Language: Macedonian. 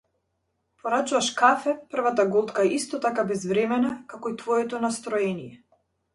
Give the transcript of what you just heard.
Порачуваш кафе, првата голтка е исто така безвремена, како и твоето настроение.